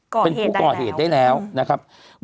ก่อเหตุได้แล้วเป็นผู้ก่อเหตุได้แล้วนะครับอืม